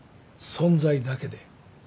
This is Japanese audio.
存在だけで？